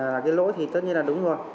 cái lỗi thì tất nhiên là đúng rồi